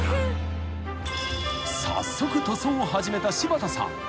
［早速塗装を始めた柴田さん。